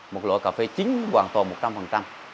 một loại cà phê chiếm hoàn toàn một trăm linh